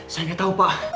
saya nggak tahu pak